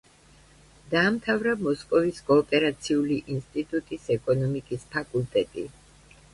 დაამთავრა მოსკოვის კოოპერაციული ინსტიტუტის ეკონომიკის ფაკულტეტი.